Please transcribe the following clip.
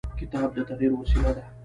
کتاب د تغیر وسیله ده.